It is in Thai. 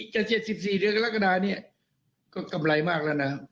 จาก๗๔เรื่องรักษณะนี้ก็กำไรมากแล้วนะ